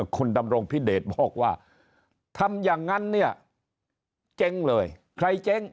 คุณดำรงพิเดชบอกว่าทำอย่างนั้นเนี่ยเจ๊งเลยใครเจ๊ง